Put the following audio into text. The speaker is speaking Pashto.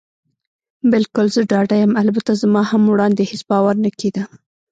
بلکل، زه ډاډه یم. البته زما هم وړاندې هېڅ باور نه کېده.